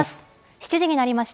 ７時になりました。